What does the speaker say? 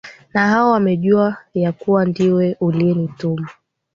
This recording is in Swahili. na hao wamejua ya kuwa ndiwe uliyenituma